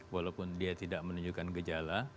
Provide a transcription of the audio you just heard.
walaupun dia tidak menunjukkan gejala